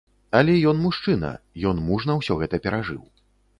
Але ён мужчына, ён мужна ўсё гэта перажыў.